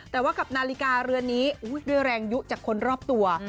แต่ว่ากับนาฬิกาเรือนนี้ด้วยแรงยุจากคนรอบตัว